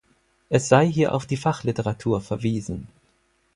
Es sei hier auf die Fachliteratur verwiesen.